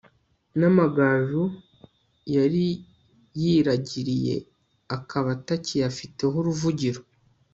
n'amagaju yari yiragiriye akaba atakiyafiteho uruvugiro